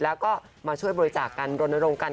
แล้วก็มาช่วยบริจาคกันรณรงค์กัน